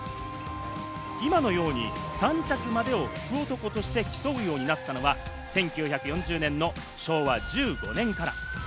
今のように３着までを福男として競うようになったのは１９４０年の昭和１５年から。